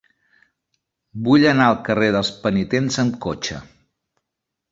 Vull anar al carrer dels Penitents amb cotxe.